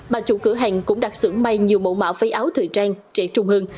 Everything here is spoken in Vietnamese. bà chủ cửa hàng cũng đặt sửng may nhiều mẫu mã váy áo thời trang trẻ trung hơn